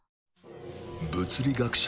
物理学者